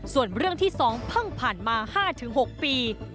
ส่วนเรื่องที่๒เพิ่งผ่านมา๕๖ปี